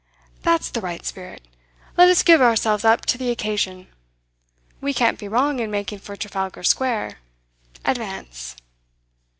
'That's the right spirit! Let us give ourselves up to the occasion! We can't be wrong in making for Trafalgar Square. Advance!